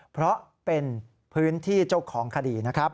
เพราะเป็นพื้นที่เจ้าของคดีนะครับ